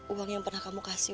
uang yang pernah kamu kasih